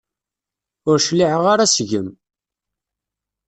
Ur cliɛeɣ ara seg-m.